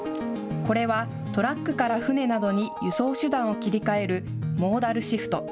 これはトラックから船などに輸送手段を切り替えるモーダルシフト。